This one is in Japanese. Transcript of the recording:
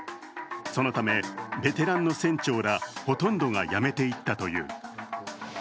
そのため、ベテランの船長らほとんどが辞めていったという。